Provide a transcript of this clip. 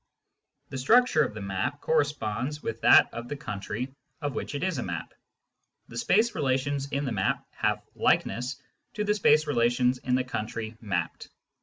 The structure of the map corresponds with that of 5* Similarity of Relations 53 the country of which it is a map. The space relations in the map have " likeness " to the space relations in the country mapped.